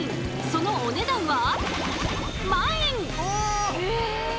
そのお値段は。